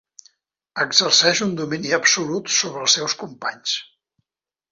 Exerceix un domini absolut sobre els seus companys.